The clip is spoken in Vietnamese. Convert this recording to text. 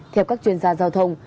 theo các chuyên gia giao thông